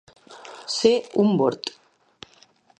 Ser un bord.